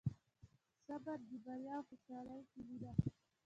صبر د بریا او خوشحالۍ کیلي ده.